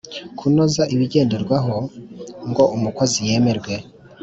Kunoza ibigenderwaho ngo umukozi yemerwe